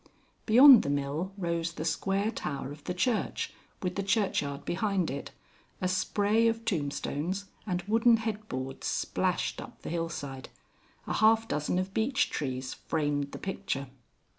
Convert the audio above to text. Beyond the mill rose the square tower of the church, with the churchyard behind it, a spray of tombstones and wooden headboards splashed up the hillside. A half dozen of beech trees framed the picture.